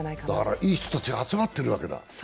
いい人たちが集まってるわけだ。